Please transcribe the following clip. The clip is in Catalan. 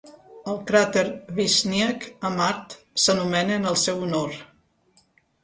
El cràter Vishniac a Mart s'anomena en el seu honor.